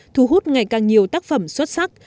thu hút ngày càng nhiều tác phẩm xuất sắc